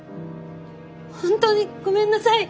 本当にごめんなさい！